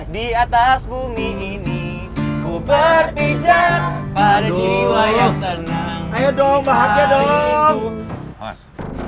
di atas bumi ini ku berpijak pada jiwa yang tenang ayo dong bahagia dong